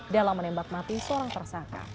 dalam menembak mati seorang tersangka